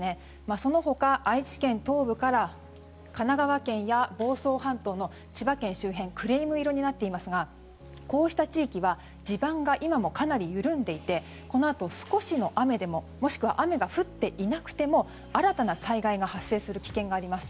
そのほか、愛知県東部から神奈川県や房総半島の千葉県周辺はクリーム色になっていますがこうした地域は地盤が今もかなり緩んでいてこのあと少しの雨でももしくは雨が降っていなくても新たな災害が発生する危険があります。